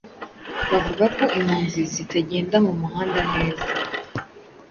bavuga ko impunzi zitagenda mu muhanda neza